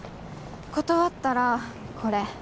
断ったらこれ。